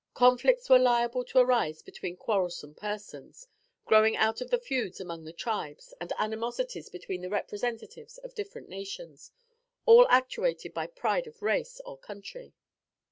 Conflicts were liable to arise between quarrelsome persons, growing out of the feuds among the tribes, and animosities between the representatives of different nations, all actuated by pride of race or country.